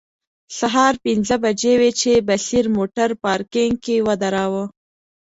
سهار پنځه بجې وې چې بصیر موټر پارکینګ کې و دراوه.